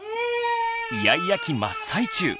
イヤイヤ期真っ最中。